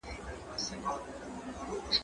زه اوږده وخت مړۍ پخوم؟